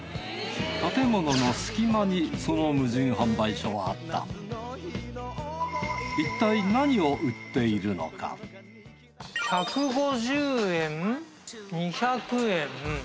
建物の隙間にその無人販売所はあった１５０円２００円。